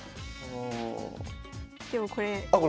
でもこれ。